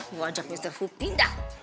gue ajak mr fu pindah